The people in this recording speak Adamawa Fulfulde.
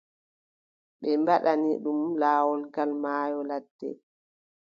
Ɓe mbaɗina ɗum, laawol gal maayo ladde.